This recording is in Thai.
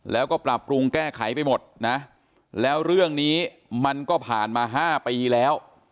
แล้วก็ปรับปรุงแก้ไขไปหมดนะแล้วเรื่องนี้มันก็ผ่านมา๕ปีแล้ว